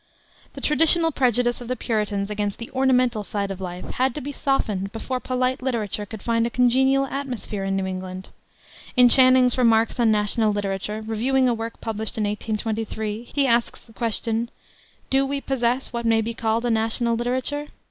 The traditional prejudice of the Puritans against the ornamental side of life had to be softened before polite literature could find a congenial atmosphere in New England. In Channing's Remarks on National Literature, reviewing a work published in 1823, he asks the question, "Do we possess what may be called a national literature?"